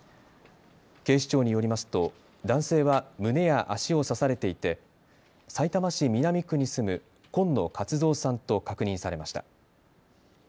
警視庁によりますと男性は胸や足を刺されていてさいたま市南区に住む今野勝蔵さんと確認されました。